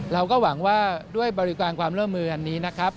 เราก็หวังว่าด้วยบริการความร่วมมืออันนี้นะครับ